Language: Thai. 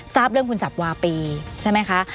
ทราบเรื่องคุณสับวาปีใช่ไหมคะ